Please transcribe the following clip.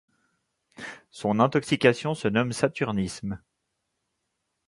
Son intoxication se nomme saturnisme.